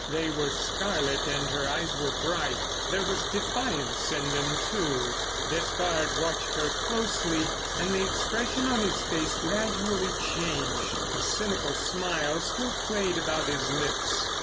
They were scarlet and her eyes were bright. There was defiance in them, too. Despard watched her closely, and the expression on his face gradually changed. A cynical smile still played about his lips.